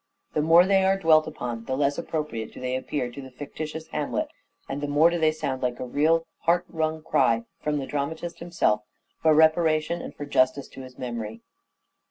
The more they are dwelt upon the less appropriate do they appear to the fictitious Hamlet, and the more do they sound like a real heart wrung cry from the dramatist himself for reparation and for justice to his memory.